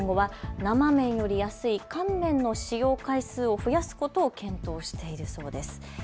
今後は生麺より安い乾麺の使用回数を増やすことを検討しているそうです。